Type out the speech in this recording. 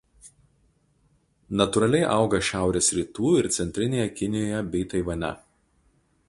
Natūraliai auga šiaurės rytų ir centrinėje Kinijoje bei Taivane.